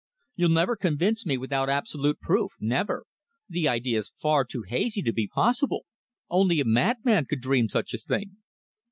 "You'll never convince me without absolute proof never. The idea is far too hazy to be possible. Only a madman could dream such a thing."